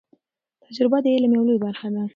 تجربه د علم یو لوی برخه ده.